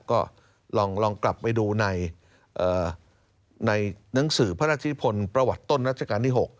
ก็ลองกลับไปดูในหนังสือพระราชนิพลประวัติต้นรัชกาลที่๖